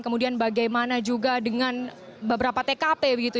kemudian bagaimana juga dengan beberapa tkp begitu